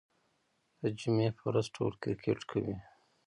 د جمعې په ورځ ټول کرکټ کوي.